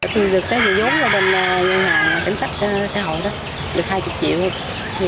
tôi được cái vô dụng của ngân hàng cảnh sách xã hội đó được hai mươi triệu